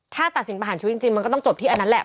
ถ้าตัดสินประหารชีวิตจริงมันก็ต้องจบที่อันนั้นแหละ